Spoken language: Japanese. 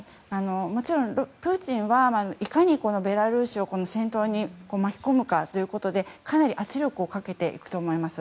もちろんプーチンはいかにこのベラルーシを戦闘に巻き込むかということでかなり圧力をかけていくと思います。